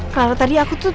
kalau tadi aku tuh